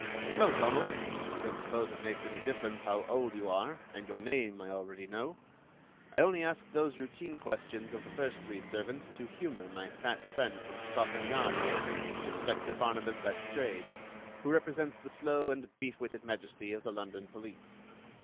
"Well, Donald, I don't suppose it makes any difference how old you are, and your name I already know. I only asked those routine questions of the first three servants to humor my fat friend from Scotland Yard here, Inspector Barnabas Letstrayed, who represents the slow and beef witted majesty of the London police."